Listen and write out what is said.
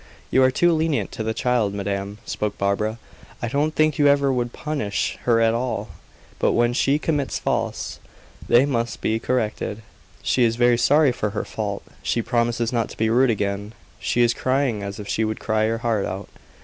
"You are too lenient to the child, madame," spoke Barbara. "I don't think you ever would punish her at all. But when she commits faults, they must be corrected." "She is very sorry for her fault; she promises not to be rude again. She is crying as if she would cry her heart out."